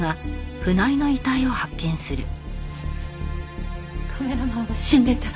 カメラマンは死んでた。